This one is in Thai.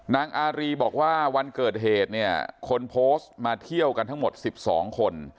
นางอารีบอกว่าวันเกิดเหตุเนี่ยคนโพสต์มาเที่ยวกันทั้งหมด๑๒คน